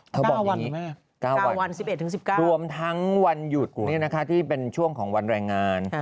เธอบอกอย่างนี้๙วันรวมทั้งวันหยุดนี่นะคะที่เป็นช่วงของวันแรงงาน